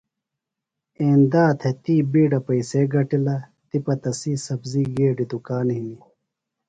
ایندا تھےۡ تی بِیڈہ پیئسے گِٹلہ تِپہ تسی سبزی گیڈیۡ دُکان ہِنیۡ.